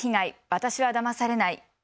私はだまされない。